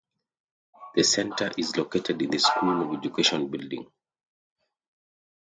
The Center is located in the School of Education building.